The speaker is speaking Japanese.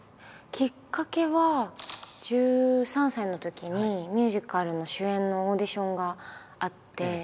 きっかけは１３歳のときにミュージカルの主演のオーディションがあって。